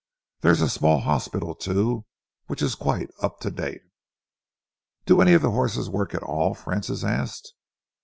There is a small hospital, too, which is quite up to date." "Do any of the horses work at all?" Francis asked.